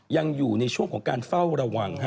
ยังอยู่ในช่วงของการเฝ้าระวัง